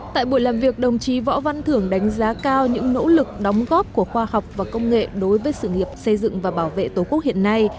tại buổi làm việc đồng chí võ văn thưởng đánh giá cao những nỗ lực đóng góp của khoa học và công nghệ đối với sự nghiệp xây dựng và bảo vệ tổ quốc hiện nay